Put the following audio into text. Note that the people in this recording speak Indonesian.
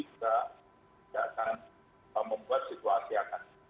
ini juga tidak akan membuat situasi akar